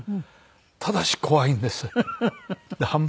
ただし怖いんですよ。